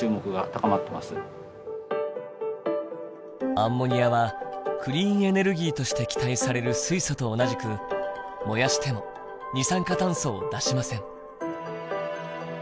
アンモニアはクリーンエネルギーとして期待される水素と同じく燃やしても二酸化炭素を出しません。